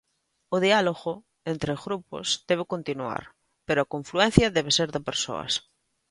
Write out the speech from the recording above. "O diálogo entre grupos debe continuar, pero a confluencia debe ser de persoas".